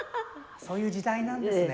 そういう時代なんですね。